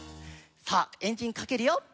さあエンジンかけるよ。